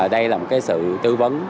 đây là một cái sự tư vấn